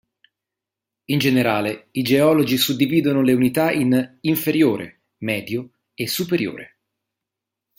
In generale, i geologi suddividono le unità in "inferiore", "medio" e "superiore".